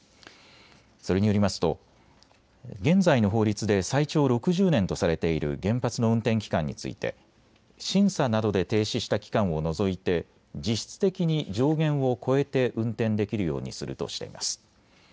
それによりますと現在の法律で最長６０年とされている原発の運転期間について審査などで停止した期間を除いて実質的に上限を超えて運転できるようにするとしています。